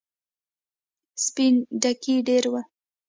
سپين ډکي ډېر ول.